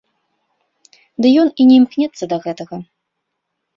Ды ён і не імкнецца да гэтага.